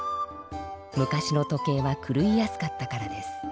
昔の時計はくるいやすかったからです。